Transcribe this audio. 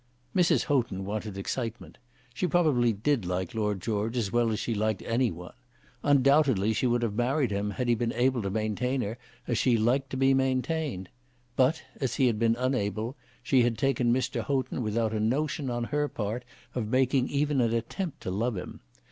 Mrs. Houghton wanted excitement. She probably did like Lord George as well as she liked any one. Undoubtedly she would have married him had he been able to maintain her as she liked to be maintained. But, as he had been unable, she had taken Mr. Houghton without a notion on her part of making even an attempt to love him.